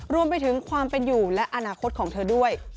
รวมไปถึงความเป็นอยู่และอนาคตของเธอด้วย